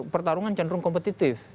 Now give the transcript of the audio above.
pertarungan cenderung kompetitif